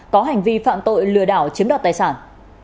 có hành vi phạm tội lừa đảo chiếm đoạt tài sản